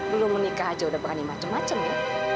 dulu menikah aja udah berani macem macem ya